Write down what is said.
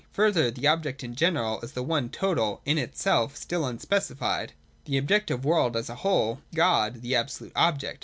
Further, the Object in general is the one total, in itself still unspecified, the Objective World as a whole, God, the Absolute Object.